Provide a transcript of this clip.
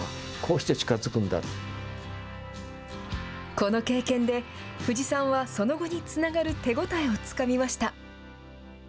この経験で、藤さんはその後につながる手応えをつかみました。